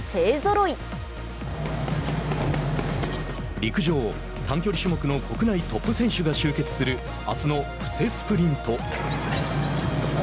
陸上、短距離種目の国内トップ選手が集結するあすの「布勢スプリント」。